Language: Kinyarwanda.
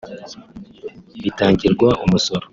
bitangirwa umusoro